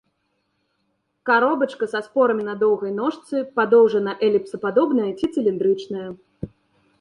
Каробачка са спорамі на доўгай ножцы, падоўжана-эліпсападобная ці цыліндрычная.